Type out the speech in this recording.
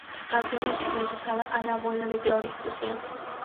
La canción está dedicada a la abuela de Gloria, Luciana.